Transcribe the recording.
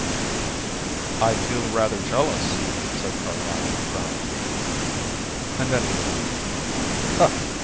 "I feel rather jealous," said Carlyle, frowning and then he laughed.